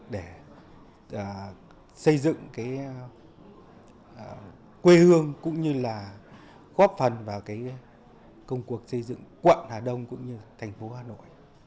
để xây dựng quê hương cũng như là góp phần vào cái công cuộc xây dựng quận hà đông cũng như thành phố hà nội